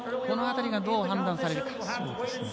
このあたりがどう判断されるか。